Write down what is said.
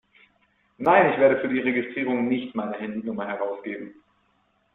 Nein, ich werde für die Registrierung nicht meine Handynummer herausgeben!